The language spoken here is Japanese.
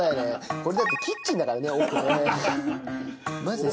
これだってキッチンだからね奥ね。